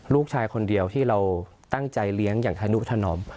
ลูกชายคนเดียวที่เราตั้งใจเลี้ยงอย่างธนุถนอม